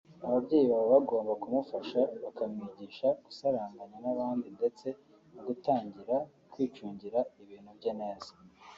Ababyeyi baba bagomba kumufasha bakamwigisha gusaranganya n’abandi ndetse no gutangira kwicungira ibintu bye neza